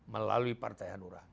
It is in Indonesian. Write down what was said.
melalui partai hanura